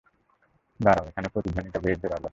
দাঁড়াও, এখানে প্রতিধ্বনিটা বেশ জোরালো!